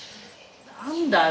「何だよ